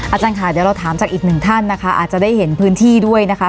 อาจารย์ค่ะเดี๋ยวเราถามจากอีกหนึ่งท่านนะคะอาจจะได้เห็นพื้นที่ด้วยนะคะ